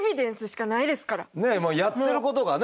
やってることがね